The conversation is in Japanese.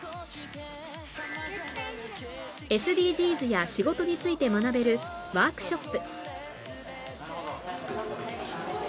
ＳＤＧｓ や仕事について学べるワークショップ